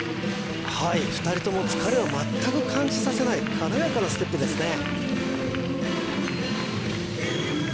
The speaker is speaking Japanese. はい２人とも疲れを全く感じさせない軽やかなステップですね